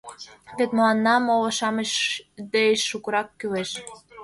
— Вет мыланна моло-шамыч деч шукырак кӱлеш.